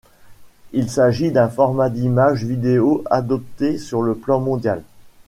Il s’agit d’un format d’image vidéo adopté sur le plan mondial.